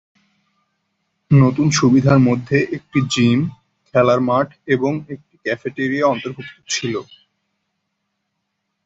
নতুন সুবিধার মধ্যে একটি জিম, খেলার মাঠ এবং একটি ক্যাফেটেরিয়া অন্তর্ভুক্ত ছিল।